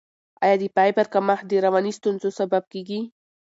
آیا د فایبر کمښت د رواني ستونزو سبب کیږي؟